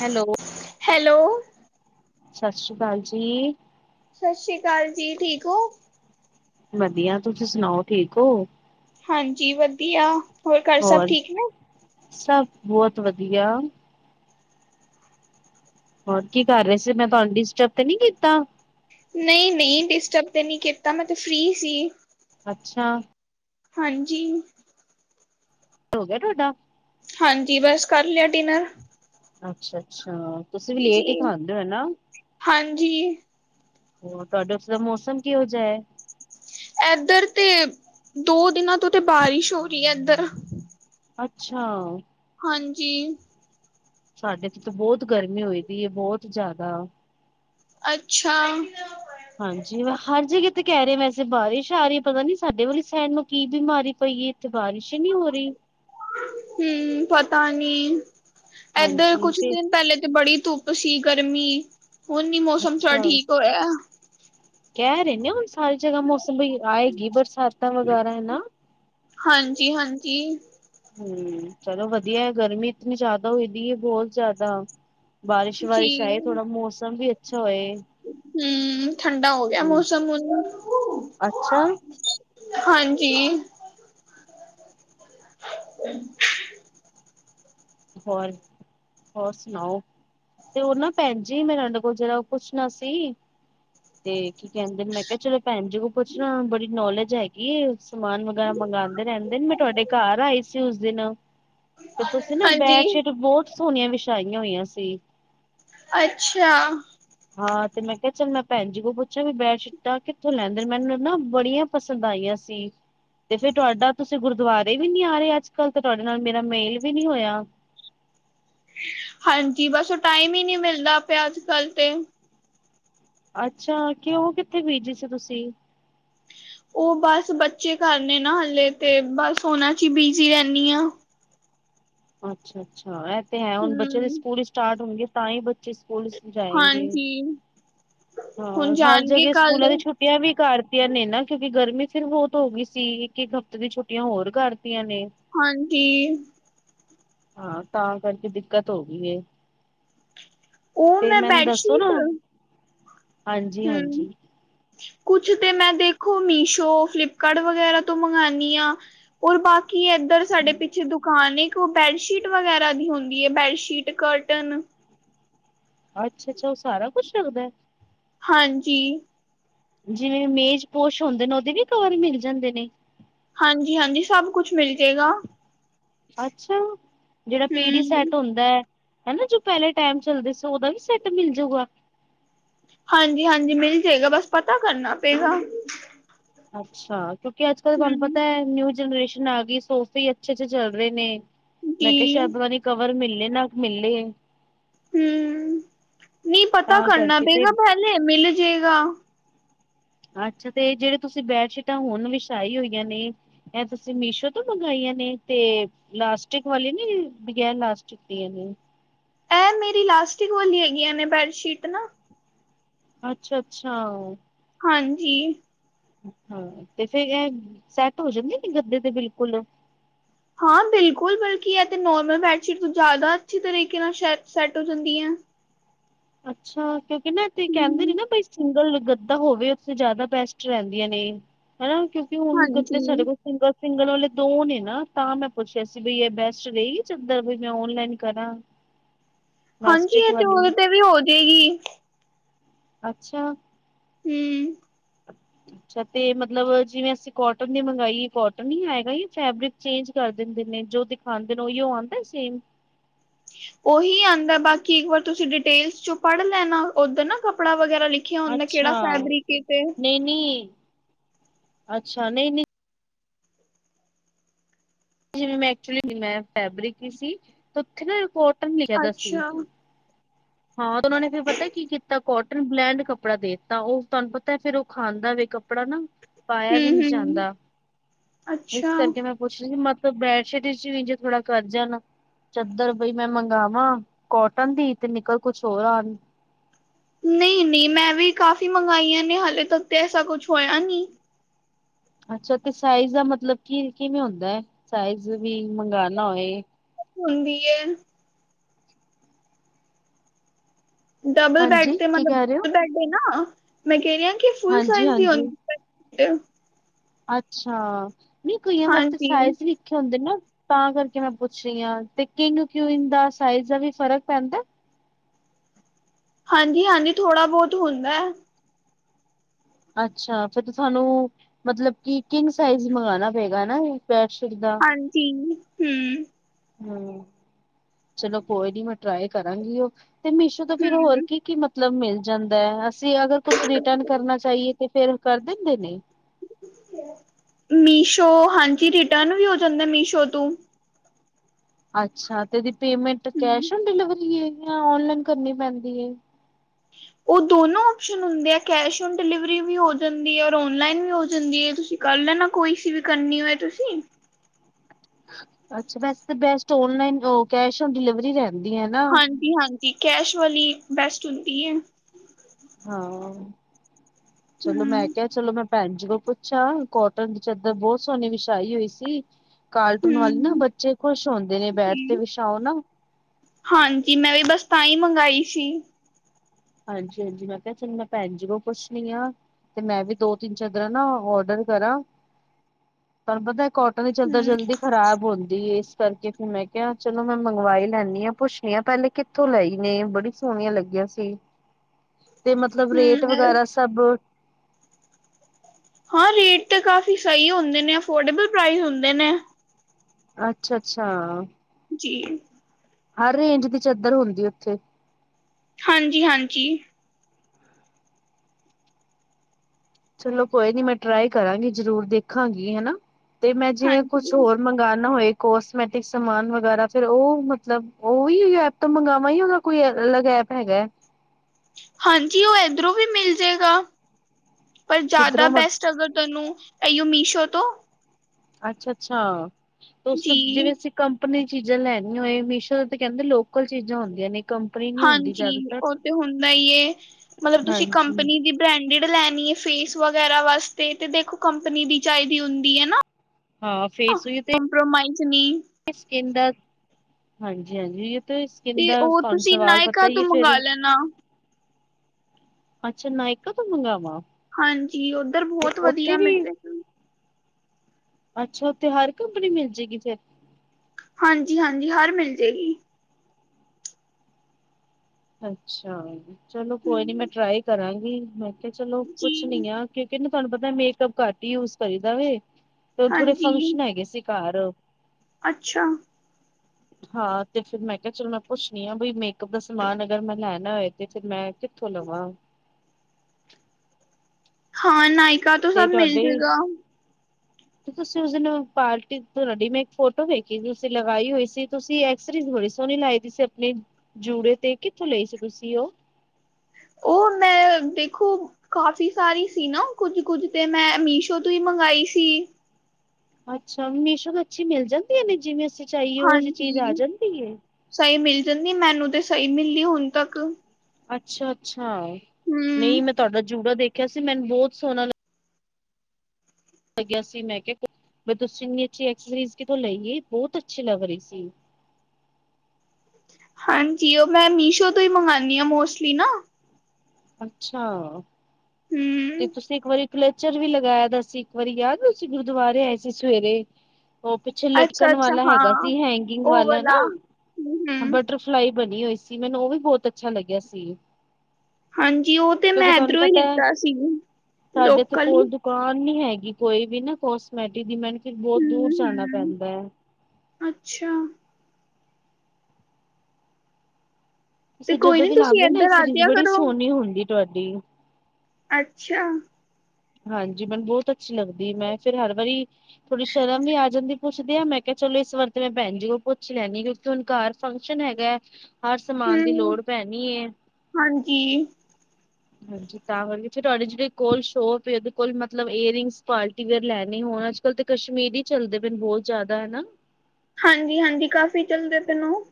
Hello. Hello. ਸਤਿ ਸ਼੍ਰੀ ਅਕਾਲ ਜੀ। ਸਤਿ ਸ੍ਰੀ ਅਕਾਲ ਜੀ ਠੀਕ ਓ? ਵਧੀਆ ਤੁਸੀਂ ਸੁਣਾਓ ਠੀਕ ਓ? ਹਾਂਜੀ ਵਧੀਆ, ਹੋਰ ਘਰ ਸਭ ਠੀਕ ਨੇ। ਸਭ, ਬਹੁਤ ਵਧੀਆ। ਹੋਰ ਕੀ ਕਰ ਰਹੇ ਸੀ ਮੈਂ ਤੁਹਾਨੂੰ ਡਿਸਟਰਬ ਤੇ ਨੀ ਕੀਤਾ? ਨਈਂ-ਨਈਂ ਡਿਸਟਰਬ ਤੇ ਨਈਂ ਕੀਤਾ ਮੈਂ ਤੇ ਫ੍ਰਰੀ ਸੀ। ਅੱਛਾ। ਹਾਂਜੀ। ਹੋ ਗਿਆ ਤੁਹਾਡਾ? ਹਾਂਜੀ ਬਸ ਕਰ ਲਿਆ ਡਿਨਰ। ਅੱਛਾ-ਅੱਛਾ ਤੁਸੀਂ ਵੀ ਲੇਟ ਹੀ ਜੀ, ਖਾਂਦੇ ਓ ਨਾ। ਹਾਂਜੀ, ਹੋਰ ਤੁਹਾਡੇ ਉੱਥੇ ਦਾ ਮੌਸਮ ਕਿਹੋ ਜਿਆ ਐ? ਇੱਧਰ ਤੇ, ਦੋ ਦਿਨਾਂ ਤੋਂ ਤੇ ਬਾਰਿਸ਼ ਹੋ ਰਹੀ ਹੈ। ਇੱਧਰ ਅੱਛਾ! ਹਾਂਜੀ। ਸਾਡੇ ਇਥੇ ਤਾਂ ਬਹੁਤ ਗਰਮੀ ਹੋਏ ਦੀ ਹੈ। ਬਹੁਤ ਜ਼ਿਆਦਾ ਅੱਛਾ। ਹਾਂਜੀ। ਮੈਂ ਹਰ ਜਗ੍ਹਾ ਤੇ ਕਹਿ ਰਹੇ, ਵੈਸੇ ਬਾਰਿਸ਼ ਆ ਰਹੀ ਹੈ। ਪਤਾ ਨੀ ਸਾਡੇ ਵਾਲੀ ਸ਼ਹਿਰ ਨੂੰ ਕੀ ਬਿਮਾਰੀ ਪਈ ਹੈ ਤੇ ਬਾਰਿਸ਼ ਹੀ ਨਹੀਂ ਹੋ ਰਹੀ। ਹਮ ਪਤਾ ਨੀ, ਏਧਰ ਹਾਂਜੀ, ਕੁੱਛ ਤੇ ਦਿਨ ਪਹਿਲੇ ਤੇ ਬੜੀ ਧੁੱਪ ਤੁਸੀਂ ਗਰਮੀ, ਹੁਣ ਨੀ ਮੌਸਮ ਥੋੜਾ ਅੱਛਾ। ਠੀਕ ਹੋਇਆ। ਕਹਿ ਰਹੇ ਨੇ, ਹੁਣ ਸਾਰੀ ਜਗ੍ਹਾ ਮੌਸਮ ਵੀ ਆਏਗੀ। ਬਰਸਾਤਾਂ ਵਗੈਰਾ ਹੈ ਨਾ ਹਾਂਜੀ- ਹਾਂਜੀ। ਹੂੰ, ਚਲੋ ਵਧੀਆ, ਗਰਮੀ ਇਤਨੀ ਜ਼ਿਆਦਾ ਹੋ ਦੀ ਐ ਬਹੁਤ ਜ਼ਾਦਾ। ਬਾਰਿਸ਼- ਬਾਰਿਸ਼ ਆਏ ਜੀ। ਥੋੜਾ ਮੌਸਮ ਵੀ ਅੱਛਾ ਹੋਏ ਹੂੰ, ਠੰਡਾ ਹੋ ਗਿਆ ਹੂੰ ਮੌਸਮ ਹੁਣ। ਅੱਛਾ। ਹਾਂਜੀ। [unintelligible] ਹੋਰ ਹੋਰ ਸੁਣਾਓ, ਤੇ ਉਹ ਨਾ ਭੈਣ ਜੀ ਮੈਂ ਤੁਹਾਡੇ ਕੋਲ ਜਿਹੜਾ ਉਹ ਪੁੱਛਣਾ ਸੀ। ਤੇ ਕੀ ਕਹਿੰਦੇ ਨੇ ਮੈਂ ਕਿਹਾ ਚਲੋ ਭੈਣ ਜੀ ਨੂੰ ਪੁੱਛਲੋ, ਬੜੀ ਨੌਲੇਜ ਹੈਗੀ ਏ। ਸਮਾਨ ਵਗੈਰਾ ਮੰਗਾਂਦੇ ਰਹਿੰਦੇ ਨੇ, ਮੈਂ ਤੁਹਾਡੇ ਘਰ ਆਈ ਸੀ ਉਸ ਦਿਨ। ਤੇ ਤੁਸੀਂ ਨਾ, ਹਾਂਜੀ, ਬੈਡਸ਼ੀਟ ਬਹੁਤ ਸੋਹਣੀਆਂ ਵਿਛਾਈਆਂ ਹੋਈਆਂ ਸੀ। ਅੱਛਾ। ਹਾਂ ਤੇ ਮੈਂ ਕਿਹਾ, ਚੱਲ ਮੈਂ ਭੈਣ ਜੀ ਕੋਲ ਪੁੱਛਿਆ ਵੀ ਬੈਡਸ਼ੀਟਾਂ ਕਿੱਥੋਂ ਲੈਂਦੇ ਨੇ, ਮੈਨੂੰ ਨਾ ਬੜੀਆਂ ਪਸੰਦ ਆਈਆਂ ਸੀ। ਤੇ ਫੇਰ ਤੁਹਾਡਾ, ਤੁਸੀਂ ਗੁਰਦੁਆਰੇ ਵੀ ਨੀ ਆ ਰਹੇ ਅੱਜ- ਕੱਲ੍ਹ, ਤੇ ਤੁਹਾਡੇ ਨਾਲ ਮੇਰਾ ਮੇਲ ਵੀ ਨਹੀ ਹੋਇਆ। ਹਾਂਜੀ, ਬੱਸ ਉਹ ਟਾਈਮ ਹੀ ਨਹੀ ਮਿਲਦਾ ਪਿਆ ਅੱਜ- ਕੱਲ੍ਹ ਤੇ। ਅੱਛਾ, ਕਿਉਂ ਉਹ ਕਿੱਥੇ ਬੀਜੀ ਸੀ ਤੁਸੀਂ। ਉਹ ਬੱਸ ਬੱਚੇ ਘਰ ਨੇ ਨਾ ਹਲੇੇ, ਤੇ ਬੱਸ ਉਹਨਾਂ ਚ ਹੀ ਬਿਜ਼ੀ ਰਹਿੰਨੀ ਆ। ਅੱਛਾ- ਅੱਛਾ ਇਹ ਤੇ ਹੈ, ਹੁਣ ਬੱਚੇ ਦੇ ਹੂੰ, ਸਕੂਲ ਹੀ ਸਟਾਟ ਹੋਣਗੇ। ਤਾਂ ਹੀ ਬੱਚੇ ਸਕੂਲ ਜਾਏਗੇ, ਹਾਂਜੀ, ਹੁਣ ਹਾਂ ਹਰ ਜਾਣਗੇ ਜਗ੍ਹਾ ਕੱਲ ਸਕੂਲਾਂ ਦੀ ਛੁੱ ਛੁੱਟੀਆਂ ਵੀ ਕਰਤੀਆਂ ਨੇ ਨਾ, ਕਿਉਂਕਿ ਗਰਮੀ ਫਿਰ ਬਹੁਤ ਹੋ ਗਈ ਸੀ, ਇੱਕ ਇੱਕ ਹਫ਼ਤੇ ਦੀਆਂ ਛੁੱਟੀਆਂ ਹੋਰ ਕਰਤੀਆਂ ਨੇ। ਹਾਂਜੀ। ਹਾਂ, ਤਾਂ ਕਰਕੇ ਦਿੱਕਤ ਹੋ ਗਈ ਏ। ਉਹ ਤੇ ਮੈਂ ਮੈਨੂੰ ਦੱਸੋ ਬੈਡਸ਼ੀਟ ਨਾ, ਹਾਂਜੀ- ਹੂੰ ਹਾਂਜੀ। ਕੁਛ ਤੇ ਮੈਂ ਦੇਖੋ ਮੀਸ਼ੋ, ਫਲਿਪਕਾਰਟ ਵਗੈਰਾ ਤੋਂ ਮੰਗਵਾਣੀ ਆਂ। ਹੋਰ ਬਾਕੀ ਇੱਧਰ ਸਾਡੇ ਪਿੱਛੇ ਦੁ ਕਾਨ ਈ ਕੋ ਬੈਡਸ਼ੀਟ ਵਗੈਰਾ ਵੀ ਹੁੰਦੀ ਐ, ਬੈਡਸ਼ੀਟ, ਕਰਟਨ ਅੱਛਾ- ਅੱਛਾ, ਉਹ ਸਾਰਾ ਕੁੱਛ ਰੱਖਦਾ। ਹਾਂਜੀ। ਜਿਵੇਂ ਮੇਜ਼ ਪੋਸ਼ ਹੁੰਦੇ ਨੇ, ਉਹਦੇ ਵੀ ਕਵਰ ਮਿਲ ਜਾਂਦੇ ਨੇ। ਹਾਂਜੀ -ਹਾਂਜੀ, ਸਭ ਕੁਛ ਮਿਲਜੇਗਾ। ਅੱਛਾ, ਜਿਹੜਾ ਪੀੜ੍ਹੀ ਹੂੰ, ਸੈਟ ਹੁੰਦਾ। ਹਨਾ ਜੋ ਪਹਿਲੇ ਟਾਈਮ ਚੱਲਦੇ ਸੀ, ਉਹਦਾ ਵੀ ਸੈੱਟ ਮਿਲਜੂਗਾ। ਹਾਂਜੀ- ਹਾਂਜੀ ਮਿਲਜੇਗਾ, ਬੱਸ ਪਤਾ ਕਰਨਾ ਪਏਗਾ। ਅੱਛਾ, ਕਿਉਂਕਿ ਅੱਜ -ਕੱਲ੍ਹ ਤੁਹਾਨੂੰ ਹੂੰ, ਪਤਾ ਐ ਨਿਊ ਜਨਰੇਸ਼ਨ ਆ ਗਈ, ਸੋਫੇ ਹੀ ਅੱਛੇ- ਅੱਛੇ ਚੱਲ ਰਹੇ ਨੇ। ਮੈਂ ਕਿਹਾ ਜੀ ਸ਼ਾਇਦ ਉਹਨਾਂ ਦੀ ਕਵਰ ਮਿਲਲੇ ਨਾ ਮਿਲਲੇ। ਹੂੰ, ਨਹੀਂ ਪਤਾ ਕਰਨਾ ਕਰਕੇ ਤੇ ਪਏਗਾ ਪਹਿਲੇ, ਮਿਲਜੇਗਾ। ਅੱਛਾ ਤੇ ਜਿਹੜੇ ਤੁਸੀਂ ਬੈਡਸ਼ੀਟਾਂ ਹੁਣ ਵਿਛਾਈ ਹੋਈਆਂ ਨੇ ਇਹ ਤੁਸੀਂ ਮੀਸ਼ੋ ਤੋਂ ਮੰਗਾਈਆਂ ਨੇ, ਤੇ ਲਾਸਟਿਕ ਵਾਲੀ ਨੇ ਨੀ ਬਗੈਰ ਲਾਸਟਿਕ। ਦੀਆਂ ਨੂੰ ਇਹ ਮੇਰੀ ਲਾਸਟਿਕ ਵਾਲੀ ਹੈਗੀਆਂ ਨੇ ਬੈਡਸ਼ੀਟ ਨਾ। ਅੱਛਾ- ਅੱਛਾ। ਹਾਂਜੀ, ਹਾਂ, ਤੇ ਫੇਰ ਇਹ ਸੈਟ ਹੋ ਜਾਂਦੀ ਨੀ ਗੱਦੇ ਤੇ ਬਿਲਕੁਲ ਹਾਂ ਬਿਲਕੁਲ, ਬਲਕਿ ਇਹ ਤੇ ਨੋਰਮਲ ਬੈਡਸ਼ੀਟ ਤੋਂ ਜ਼ਿਆਦਾ ਅੱਛੀ ਤਰੀਕੇ ਨਾਲ ਸੈ ਸੈੱਟ ਹੋ ਜਾਂਦੀ ਐ। ਅੱਛਾ ਕਿਉਂਕਿ ਨਾ ਇਥੇ ਕਹਿੰਦੇ ਨੇ ਹਮ ਨਾ ਬਈ ਸਿੰਗਲ ਗੱਦਾ ਹੋਵੇ, ਉਥੇ ਜ਼ਿਆਦਾ ਬੈਸਟ ਰਹਿੰਦੀਆਂ ਨੇ। ਹਨਾ ਕਿਉਂਕਿ ਹੁਣ ਤੇ ਹਾਂਜੀ। ਸਾਡੇ ਕੋਲ ਸਿੰਗਲ- ਸਿੰਗਲ ਵਾਲੇ ਦੋ ਨੇ ਨਾ, ਤਾਂ ਮੈਂ ਪੁੱਛਿਆ ਸੀ ਬਈ ਇਹ ਬੈਸਟ ਰਹੇਗੀ ਚੱਦਰ ਵੀ ਮੈਂ ਔਨਲਾਈਨ ਕਰਾਂ। [unintelligible] ਹਾਂਜੀ, ਪਲਾਸਟਿਕ ਇਹ ਤੇ ਵਾਲੀ ਉਹ ਤੇ ਵੀ ਹੋਜੇਗੀ। ਅੱਛਾ, ਹਮ। ਅੱਛਾ ਤੇ ਮਤਲਬ ਜਿਵੇਂ, ਅਸੀਂ ਕੋਟਨ ਦੀ ਮੰਗਵਾਈਏ ਕੋਟਨ ਹੀ ਆਏਗਾ ਯਾ ਫੈਬਰਿਕ। ਚੇਂਜ ਕਰ ਦਿੰਦੇ ਨੇ, ਜੋ ਦਿਖਾਉਂਦੇ ਨੇ ਉਹੀਓ ਆਉਂਦਾ ਸੇਮ? ਉਹੀ ਆਉਂਦਾ, ਬਾਕੀ ਇੱਕ ਵਾਰ ਤੁਸੀਂ ਡਿਟੇਲਸ 'ਚ ਪੜ੍ਹ ਲੈਣਾ, ਉੱਧਰ ਨਾ ਕੱਪੜਾ ਵਗੈਰਾ ਲਿ ਖਿਆ ਹੁੰਦਾ, ਕਿਹੜਾ ਅੱਛਾ ਫੈਬਰਿਕ ਇਹ ਤੇ ਨਹੀਂ- ਨਹੀਂ। ਅੱਛਾ, ਨਹੀਂ -ਨਹੀਂ। ਜਿਵੇਂ ਮੈਂ, ਐਕਚੁਲੀ ਮੈਂ ਫੈਬਰਿਕ ਹੀ ਸੀ ਤੇ ਉੱਥੇ ਨਾ ਕੋਟਨ ਲਿਖਿਆ ਦਾ ਸੀ। ਅੱਛਾ। ਹਾਂ। ਉਹਨਾ ਨੇ ਫਿਰ ਪਤਾ ਕੀ ਕੀਤਾ? ਕੋਟਨ ਬਲੈਂਡ ਕੱਪੜਾ ਦੇ ਦਿੱਤਾ, ਉਹ ਤੁਹਾਨੂੰ ਪਤਾ ਫੇਰ ਉਹ ਖਾਂਦਾ ਵ ਕੱਪੜਾ ਨਾ ਪਾਇਆ ਵੀ ਹਮ ਨਹੀਂ ਹਮ ਜਾਂਦਾ, ਇਸ ਅੱਛਾ। ਕਰਕੇ ਮੈਂ ਪੁੱਛ ਰਹੀ ਸੀ ਮਤਲਬ, ਬੈਡਸ਼ੀਟ ਚ ਵੀ ਜੇ ਥੋੜ੍ਹਾ ਕਰ ਜਾਣ। ਚਾਦਰ ਬਈ ਮੈਂ ਮੰਗਵਾਂ ਕੋਟਨ ਦੀ ਤੇ, ਨਿਕਲ ਕੁਛ ਹੋਰ ਆਵੇ। ਨਹੀਂ -ਨਹੀਂ, ਮੈਂ ਵੀ ਕਾਫ਼ੀ ਮੰਗਾਈਆਂ ਨੇ ਹਾਲੇ ਤੱਕ ਤੇ ਐਸਾ ਕੁਛ ਹੋਇਆ ਨਹੀਂ। ਅੱਛਾ ਤੇ ਸਾਈਜ਼ ਦਾ ਮਤਲਬ ਕੀ, ਕਿਵੇਂ ਹੁੰਦਾ ਹੈ, ਸਾਈਜ਼ ਵੀ ਮੰਗਉਣਾ ਹੋਏ। ਹੁੰਦੀ ਹੈ। ਡਬਲ ਬੈਡ ਹਾਂਜੀ ਤੇ, ਕੀ ਕਹਿ ਰਹੇ ਹੋ ਮਤਲਬ ਬੈਡ। ਨਾ- ਨਾ, ਮੈਂ ਕਿਹ ਰਹੀ ਕਿ ਫੁਲ ਹਾਂਜੀ ਸਾਈਜ਼ ਦੀ ਹਾਂਜੀ ਹੁੰਦੀ ਹੈ। ਅੱਛਾ, ਨਹੀਂ ਕਈਆਂ ਵਾਰ ਤੇ ਹਾਂਜੀ, ਸਾਈਜ਼ ਲਿਖੇ ਹੁੰਦੇ ਨਾ। ਤਾਂ ਕਰਕੇ ਮੈਂ ਪੁੱਛ ਰਹੀ ਹਾਂ ਤੇ, ਕਿੰਗ ਕਿਉਇਨ ਦਾ ਸਾਈਜ਼ ਦਾ ਵੀ ਫਰਕ ਪੈਂਦਾ? ਹਾਂਜੀ- ਹਾਂਜੀ, ਥੋੜ੍ਹਾ ਬਹੁਤ ਹੁੰਦਾ। ਅੱਛਾ ਫੇਰ ਤਾਂ ਸਾਨੂੰ, ਮਤਲਬ ਕਿ ਕਿੰਗ ਸਾਈਜ਼ ਮੰਗਵਾਉਣਾ ਪਏਗਾ ਨਾ ਬੈਡਸ਼ੀਟ ਦਾ? ਹਾਂਜੀ, ਹਮ। ਹਮ, ਚਲੋ ਕੋਈ ਨੀ ਮੈਂ ਟਰਾਈ ਕਰਾਂਗੀ ਉਹ। ਤੇ ਮੀਸ਼ੋ ਤੋਂ ਫਿਰ ਹੋਰ ਕੀ, ਕੀ ਮਤਲਬ ਮਿਲ ਜਾਂਦਾ ਹੈ? ਅਸੀਂ ਅਗਰ ਕੁਛ ਰਿਟਰਨ ਕਰਨਾ ਚਾਹੀਏ ਤੇ, ਫੇਰ ਕਰ ਦਿੰਦੇ ਨੇ, ਮੀਸ਼ੋ, ਹਾਂਜੀ ਰਿਟਰਨ ਵੀ ਹੋ ਜਾਂਦਾ ਮੀਸ਼ੋ ਤੋਂ। ਅੱਛਾ, ਤੇ ਇਹਦੀ ਪੇਮੈਂਟ ਕੈਸ਼ ਔਨ ਡਿਲੀਵਰੀ ਹੈ ਜਾਂ ਓਨਲਾਈਨ ਕਰਨੀ ਪੈਂਦੀ ਹੈ? ਉਹ ਦੋਨੋ ਆਪਸ਼ਨ ਹੁੰਦੇ ਆ, ਕੈਸ਼ ਓਨ ਡਿਲੀਵਰੀ ਵੀ ਹੋ ਜਾਂਦੀ ਹੈ, ਔਰ ਔਨਲਾਈਨ ਵੀ ਹੋ ਜਾਂਦੀ ਹੈ ਤੁਸੀਂ, ਕਰ ਲੈਣਾ ਕੁਛ ਵੀ ਕਰਨੀ ਹੋਏ ਤੁਸੀਂ। ਅੱਛਾ ਵੈਸੇ ਤੇ best online, cash on delivery ਰਹਿੰਦੀ ਆ ਨਾ? ਹਾਂਜੀ- ਹਾਂਜੀ, ਕੈਸ਼ ਵਾਲੀ ਹੀ ਬੈਸਟ ਹੁੰਦੀ ਹੈ। ਹਾਂ ਚਲੋ, ਮੈਂ ਕਿਹਾ ਚਲੋ ਮੈਂ ਭੈਣ ਜੀ ਕੋਲ ਪੁੱਛਾਂ, ਕੋਟਨ ਦੀ ਚਾਦਰ ਬਹੁਤ ਸੋਹਣੀ ਵਿਛਾਈ ਹੋਈ ਸੀ। ਕਾਰਟੂਨ ਵਾਲੀ ਨਾ ਹੂੰ, ਬੱਚੇ ਖੁਸ਼ ਹੁੰਦੇ ਨੇ, ਬੈਠ ਤੇ ਵਿਛਾਓ ਨਾ। ਹਾਂਜੀ, ਮੈਂ ਵੀ ਬਸ ਤਾਂ ਹੀ ਮੰਗਵਾਾਈ ਸੀ ਹਾਂਜੀ- ਹਾਂਜੀ, ਮੈਂ ਕਿਹਾ ਚੰਗਾ ਭੈਣ ਜੀ ਕੋ ਪੁੱਛਣੀ ਆ ਤੇ ਮੈਂ ਵੀ ਦੋ, ਤਿੰਨ ਚਾਦਰਾਂ ਨਾ ਓਡਰ ਕਰਾਂ। ਪਰ ਪਤਾ ਕੋਟਨ ਦੀ ਚਾਦਰ ਹੂੰ, ਜਲਦੀ ਖ਼ਰਾਬ ਹੁੰਦੀ ਇਸ ਕਰਕੇ ਫ ਮੈਂ ਕਿਹਾ, ਚਲੋ ਮੈਂ ਮੰਗਵਾ ਈ ਲੈਂਦੀ ਹਾਂ, ਪੁੱਛਣੀ ਹਾਂ ਪਹਿਲੇ ਕਿ ਕਿੱਥੋਂ ਲਈ ਨੇ ਬੜੀ ਸੋਹਣੀਆਂ ਲੱਗੀਆਂ ਸੀ। ਤੇ ਮਤਲਬ, ਹੂੰ, ਰੇਟ ਵਗੈਰਾ ਸਭ ਹਾਂ ਰੇਟ ਤਾਂ ਕਾਫ਼ੀ ਸਹੀ ਹੁੰਦੇ ਨੇ, ਅਫੋਰਡੇਬਲ ਪ੍ਰਾਈਸ ਹੁੰਦੇ ਨੇ ਅੱਛਾ-ਅੱਛਾ। ਜੀ ਹਰ ਰੇਂਜ ਦੀ ਚਾਦਰ ਹੁੰਦੀ, ਉੱਥੇ ਹਾਂਜੀ-ਹਾਂਜੀ। ਚਲੋ ਕੋਈ ਨੀ ਮੈਂ ਟਰਾਈ ਕਰਾਂਗੀ, ਜਰੂਰ ਦੇਖਾਂਗੀ ਹੈਨਾ ਤੇ ਮੈਂ ਜਿਵੇਂ ਕੁਛ ਹਾਂਜੀ, ਹਾਂਜੀ ਹੋਰ ਮੰ ਗਾ ਹੋਏ ਕੋਸਮੈਟਿਕ ਸਮਾਨ ਵਗੈਰਾ, ਫੇਰ ਰ ਉਹ ਮਤਲਬ ਉਹ ਵੀ ਤੋਂ ਮੰਗਾਵਾਂ, ਯਾ ਉਹਦਾ ਕੋਈ, ਅਲਗ ਐਪ ਹੈਗਾ। ਹਾਂਜੀ। ਉਹ ਇਧਰੋਂ ਵੀ, ਮਿਲ ਜਾਏਗਾ। ਪਰ ਜ਼ਿਆਦਾ ਕਿੱਧਰੋਂ ਮ ਪੈਸੈ। ਅਗਰ ਤੈਨੂੰ, ਇਓ ਮੀਸ਼ੋ ਤੋਂ। ਅੱਛਾ- ਅੱਛਾ। ਤੇ, ਉਸ ਤੋਂ ਜੀ ਜਿਵੇਂ, ਅਸੀਂ। ਕੰਪਨੀ ਚੀਜ਼ਾਂ, ਲੈਣੀਆਂ ਹੋਏ। ਮੀਸ਼ੋ ਤੇ ਕਹਿੰਦੇ, ਲੋਕਲ ਚੀਜ਼ਾਂ ਹੁੰਦੀਆਂ ਨੇ। ਕੰਪਨੀ ਨੀ ਹੁੰਦੀ ਹਾਂਜੀ। ਜ਼ਿਆਦਾਤਰ ਉਹ ਤੇ, ਹੁੰਦਾ ਹੀ ਏ। ਮਤਲਬ ਤੁਸੀਂ ਹਾਂਜੀ ਕੰਪਨੀ ਦੀ। ਬ੍ਰੈਂਡਿਡ ਲੈਣੀ ਹੈ। ਫੇਸ ਵਗੈਰਾ ਵਾਸਤੇ, ਤੇ ਦੇਖੋ ਕੰਪਨੀ ਦੀ ਚਾਹੀਦੀ ਹੁੰਦੀ ਹੈ ਨਾ। ਕਪ੍ਰੋਮਾਈਜ਼ ਨੀ। ਸਕਿੰਨ ਦਾ, ਹਾਂਜੀ- ਹਾਂਜੀ। ਤੇ, ਸਕਿੰਨ ਦਾ, ਉਹ ਤੁਹਾਨੂੰ ਤੁਸੀਂ ਸਵਾਲ, ਪਤਾ ਨਾਇਕਾ ਹੀ ਤੋਂ ਹੈ ਫੇਰ। ਮੰਗਵਾ ਲੈਣਾ। ਅੱਛਾ! ਨਾਇਕਾ, ਤੋ ਮੰਗਾਵਾਂ। ਹਾਂਜੀ। ਉੱਧਰ ਤੇ ਬਹੁਤ, ਵਧੀਆ ਉੱਥੇ ਵੀ ਮਿਲਦਾ। ਅੱਛਾ। ਉੱਥੇ ਹਰ ਕੰਪਨੀ, ਮਿਲ ਜਾਏਗੀ। ਫੇਰ। ਹਾਂਜੀ-ਹਾਂਜੀ, ਹਰ ਮਿਲ ਜਾਏਗੀ। ਅੱਛਾ। ਚਲੋ ਕੋਈ ਨੀ। ਮੈਂ ਟਰਾਈ ਕਰਾਂਗੀ। ਮੈਂ ਕਿਹਾ ਚਲੋ ਜੀ ਪੁਛਨੀਆਂ। ਕਿਉਕੀ ਨਾ, ਤੁਹਾਨੂੰ ਪਤਾ ਮੇਕਅਪ ਘਟ ਹੀ, ਯੂਜ ਕਰੀ ਦਾਵੇ। ਤੇ ਥੋੜੇ ਹਾਂਜੀ ਫੰਕਸ਼ਨ ਹੈਗੇ ਸੀ ਘਰ। ਅੱਛਾ। ਹਾਂ ਤੇ, ਫੇਰ ਮੈਂ ਕਿਹਾ, ਚਲੋ ਮੈਂ ਪੁੱਛਣੀ ਆ। ਬਈ ਮੇਕਅਪ ਦਾ ਸਮਾਨ, ਅਗਰ ਮੈਂ ਲੈਣਾ ਹੋਏ, ਤੇ ਫੇਰ ਮੈਂ ਕਿੱਥੋਂ ਲਵਾਂ। ਹਾਂ, ਨਾਈ। ਤੇ, ਤੁਹਾਡੇ ਤੇ ਤੁਸੀਂ, ਉਸ ਦਿਨ ਪਾਰਟੀ ਤੇ, ਤੁਹਾਡੀ ਮੈਂ ਇੱਕ, ਫੋਟੋ ਵੇਖੀ। ਤੁਸੀਂ ਲਗਾਈ ਹੋਈ ਸੀ। ਤੁਸੀਂ ਐਕਸਰੀ ਬੜੀ ਸੋਹਣੀ ਲਾਈ। ਸੀ ਆਪਣੇ ਜੁੜੇ ਤੇ, ਕਿੱਥੋਂ ਲਈ ਸੀ, ਤੁਸੀਂ ਉਹ। ਉਹ [inaudible] ਦੇਖੋ, ਕਾਫ਼ੀ ਸਾਰੀ ਸੀ ਨਾ। ਕੁੱਝ-ਕੁੱਝ, ਤੇ ਮੈਂ ਮੀਸ਼ੋ ਤੋਂ ਹੀ, ਮੰਗਾਈ ਸੀ। ਅੱਛਾ। ਮੀਸ਼ੋ ਨੂੰ ਅੱਛੀ ਮਿਲ ਜਾਂਦੀ ਹੈ। ਜਿਵੇਂ ਅਸੀਂ ਚਾਹੀਏ, ਉਹ ਜਿਹੀ ਚੀਜ਼ ਆ ਹਾਂਜੀ ਜਾਂਦੀ ਹੈ। ਸਹੀ ਮਿਲ ਜਾਂਦੀ ਹੈ। ਮੈਨੂੰ ਤੇ, ਸਹੀ ਮਿਲੀ, ਹੁਣ ਤੱਕ। ਅੱਛਾ-ਅੱਛਾ। ਹਮ ਨਹੀਂ ਮੈਂ, ਤੁਹਾਡਾ ਜੂੜਾ ਦੇਖਿਆ ਸੀ। ਮੈਨੂੰ ਬਹੁਤ ਸੋਹਣਾ ਲੱਗਿਆ ਸੀ। ਮੈਂ ਕਿਹਾ, ਤੁਸੀਂ ਇਨੀ ਅੱਛੀ ਅਸੈਸਰੀ, ਕਿੱਥੋਂ ਲਈਏ। ਬਹੁਤ ਅੱਛੀ, ਲੱਗ ਰਹੀ ਸੀ। ਹਾਂਜੀ। ਉਹ ਮੈਂ, ਮੀਸ਼ੋ ਤੋਂ ਹੀ, ਮੰਗਵਾਉਂਦੀ ਹਾਂ। ਮੋਸਟਲੀ ਨਾ। ਅੱਛਾ। ਤੇ ਹਮ ਤੁਸੀਂ, ਇੱਕ ਵਾਰੀ, ਕਲੈਚਰ ਵੀ ਲਗਾਇਆ ਦਾ ਸੀ। ਇੱਕ ਵਾਰੀ ਯਾਦ ਤੁਸੀਂ, ਗੁਰਦੁਆਰੇ ਆਏ ਸੀ, ਸਵੇਰੇ। ਉਹ ਪਿੱਛੇ, ਅੱਛਾ ਲਟਕਣ ਅੱਛਾ ਵਾਲਾ ਹੈਗਾ ਹਾਂ ਸੀ। ਹੈਂਗਿੰਗ ਉਹ ਵਾਲਾ ਨਾ। ਹਮ ਹਮ ਬਟਰ ਸਿਲਾਈ ਬਣੀ ਹੋਈ ਸੀ। ਮੈਨੂੰ ਉਹ ਵੀ, ਬਹੁਤ ਅੱਛਾ, ਲੱਗਿਆ ਸੀ। ਹਾਂਜੀ। ਉਹ ਤੇ ਮੈਂ, ਕਿਉਂਕਿ ਤੁਹਾਨੂੰ ਇਧਰੋਂ ਹੀ ਪਤਾ ਹੈ ਲਿਤਾੱ ਸੀ। ਸਾਡੇ, ਇਥੇ ਲੋਕਲ ਹੀ ਕੋਲ ਦੁਕਾਨ ਨੀ ਹੈਗੀ, ਕੋਈ ਵੀ ਨਾ ਕੋਸਮੈਟਿਕ ਦੀ। ਮੈਨੂੰ ਫੇਰ ਬਹੁਤ ਹਮ ਦੂਰ ਜਾਣਾ ਹਮ ਪੈਂਦਾ ਹੈ। ਅੱਛਾ। ਤੇ ਤੁਸੀਂ ਕੋਈ ਜਦੋਂ ਨੀ ਵੀ, ਤੁਸੀਂ ਲਾਂਦੇ ਹੋ ਨਾ, ਇੱਧਰ ਆ ਐਸਸਰੀ, ਜਿਆ ਬੜੀ ਕਰੋ ਸੋਹਣੀ ਹੁੰਦੀ ਤੁਹਾਡੀ। ਅੱਛਾ ਹਾਂਜੀ। ਮੈਨੂੰ ਬਹੁਤ ਅੱਛੀ ਲੱਗਦੀ। ਮੈਂ ਫੇਰ ਹਰ ਵਾਰੀ। ਥੋੜੀ ਸ਼ਰਮ ਹੀ, ਆ ਜਾਂਦੀ ਪੁੱਛਦੀ ਆ। ਮੈਂ ਕਿਹਾ, ਚਲੋ ਇਸ ਵਾਰ, ਤੇ ਮੈਂ ਬੈਣ ਜੀ ਨੂੰ ਪੁੱਛ ਲੈੈਂਦੀ ਆ। ਤੇ, ਹੁਣ ਘਰ ਫੰਕਸ਼ਨ ਹੈਗਾ। ਹਰ ਸਮਾਨ ਦੀ ਹੂੰ, ਲੋੜ ਪੈਣੀ ਏ। ਹਾਂਜੀ, ਹਾਂਜੀ ਤਾਂ ਕਰਕੇ ਜਿਹੜੇ ਕੋਲ ਸ਼ੋਪ ਫੇਰ ਉਹਦੇ ਕੋਲ ਮਤਲਬ, ਈਅਰਿੰਗਸ ਪਾਰਟੀ ਵੇਅਰ, ਲੈਣੇ ਹੋਣ। ਅੱਜ ਕੱਲ ਤਾਂ ਕਸ਼ਮੀਰੀ, ਚੱਲਦੇ ਪਏ ਨੇ ਬਹੁਤ ਜ਼ਿਆਦਾ। ਹਨਾ। ਹਾਂਜੀ- ਹਾਂਜੀ। ਕਾਫ਼ੀ ਚੱਲਦੇ ਪਾਣੇ ਨੇ ਓਹ।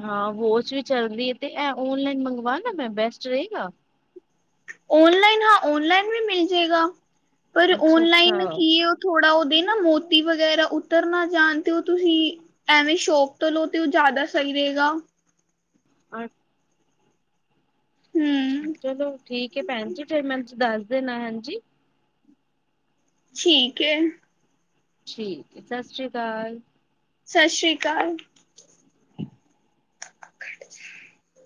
ਹਾਂ, ਬੋ ਵੀ ਚੱਲਦੀ ਹੈ। ਤੇ ਇਹ ਓਨਲਾਈਨ ਮੰਗਵਾ ਨਾ ਮੈਂ, ਬੈਸਟ ਰਹੇਗਾ। ਔਨਲਾਈਨ। ਹਾਂ, ਔਨਲਾਈਨ ਵੀ ਮਿਲ ਜਾਏਗਾ। ਪਰ ਅੱਛਾ ਔਨਲਾਈਨ ਅੱਛਾ ਨਾ ਕੀ। ਥੋੜਾ ਉਹਦੇ ਨਾ, ਮੋਤੀ ਵਗੈਰਾ, ਉਤਰ ਨਾ ਜਾਣ। ਤੇ ਉਹ ਤੁਸੀਂ। ਐਵੇਂ, ਸ਼ੌਪ ਤੋਂ, ਲੋ, ਤੇ, ਉਹ ਜ਼ਿਆਦਾ ਸਹੀ ਰਹੇਗਾ। ਅੱ- ਹਮ ਚਲੋ ਠੀਕ ਭੈਣ ਜੀ ਫੇਰ ਮੈਂ ਦੱਸ ਦੇਣਾ ਹਾਂਜੀ ਠੀਕ ਹੈ ਠੀਕ ਹੈ ਸਤਿ ਸ੍ਰੀ ਅਕਾਲ ਸਤਿ ਸ਼੍ਰੀ ਅਕਾਲ [inaudible]